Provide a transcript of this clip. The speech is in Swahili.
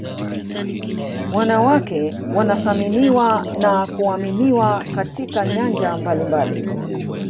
wanawake wanasaminiwa na kuaminiwa katika nyanja mbalimbali